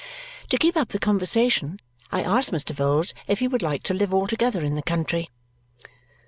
To keep up the conversation, I asked Mr. Vholes if he would like to live altogether in the country.